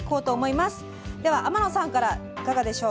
では天野さんからいかがでしょう。